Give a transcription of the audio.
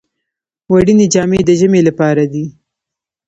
وړینې جامې د ژمي لپاره دي